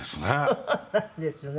そうなんですね。